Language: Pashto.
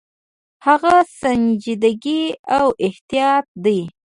هغه سنجیدګي او احتیاط دی.